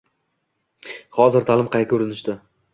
Hozir ta’lim qay ko‘rinishda?